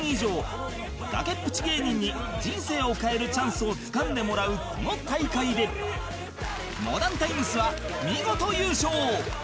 崖っぷち芸人に人生を変えるチャンスをつかんでもらうこの大会でモダンタイムスは見事優勝